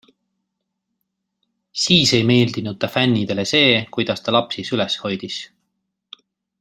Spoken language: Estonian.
Siis ei meeldinud ta fännidele see, kuidas ta lapsi süles hoidis.